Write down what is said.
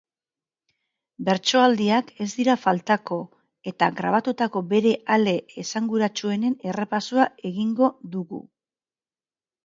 Bertsoaldiak ez dira faltako, eta grabatutako bere ale esanguratsuenen errepasoa egingo dugu.